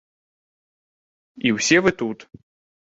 І ўсе вы тут!